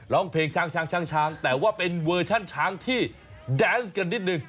ร้องเพลงช้างช้างแต่ว่าเป็นเวอร์ชันช้างที่แดนส์กันนิดนึง